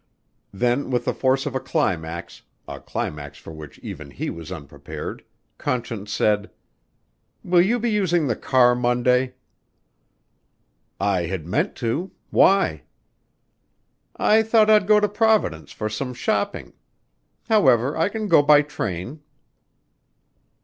Then with the force of a climax, a climax for which even he was unprepared, Conscience said, "Will you be using the car Monday?" "I had meant to. Why?" "I thought I'd go to Providence for some shopping. However, I can go by train."